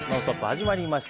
始まりました。